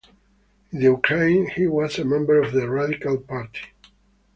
In the Ukraine, he was a member of the Radical Party.